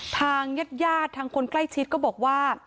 ทางญาติทางคนใกล้ชิดก็บอกว่า